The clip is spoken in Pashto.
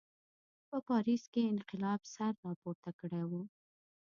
په پاریس کې انقلاب سر راپورته کړی و.